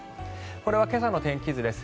これは今朝の天気図です。